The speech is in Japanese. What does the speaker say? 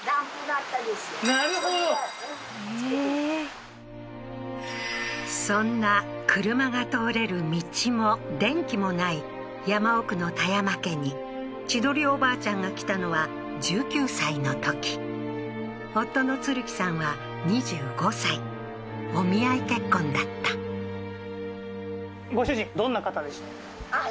なるほどそれはつけてたそんな車が通れる道も電気もない山奥の田山家に千鳥おばあちゃんが来たのは１９歳のとき夫の鶴喜さんは２５歳お見合い結婚だったあっ